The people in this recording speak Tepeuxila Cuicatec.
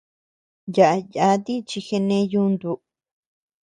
Yaʼa yáti chi genee yuntu.